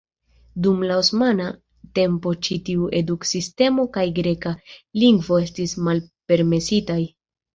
Dum la osmana tempo ĉi tiu eduk-sistemo kaj greka lingvo estis malpermesitaj.